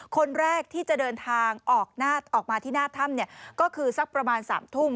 คนแรกที่จะเดินทางออกมาที่หน้าถ้ำก็คือสักประมาณ๓ทุ่ม